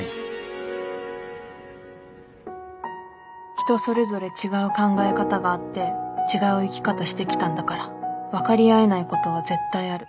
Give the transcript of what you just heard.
人それぞれ違う考え方があって違う生き方してきたんだから分かり合えないことは絶対ある。